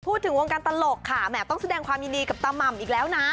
พูดถึงวงการตลกค่ะแหมต้องแสดงความยินดีกับตาม่ำอีกแล้วนะ